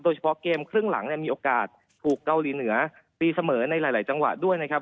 เฉพาะเกมครึ่งหลังเนี่ยมีโอกาสถูกเกาหลีเหนือตีเสมอในหลายจังหวะด้วยนะครับ